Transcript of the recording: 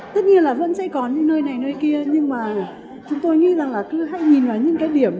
tất nhiên là vẫn sẽ còn những nơi này nơi kia nhưng mà chúng tôi nghĩ rằng là cứ hay nhìn vào những cái điểm